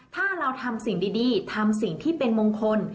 ถ้าเราทำสิ่งดีทำสิ่งที่เป็นมงคล